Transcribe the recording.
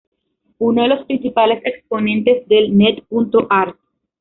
Uno de los principales exponentes del Net.art.